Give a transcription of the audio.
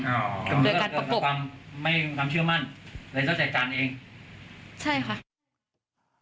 ไม่ทำเชื่อมั่นเลยต้องใส่จานเอง